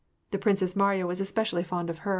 The Princess Mariya was especially fond of YOU 2.